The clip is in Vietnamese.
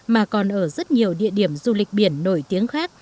mà còn ở rất nhiều địa điểm du lịch biển nổi tiếng khác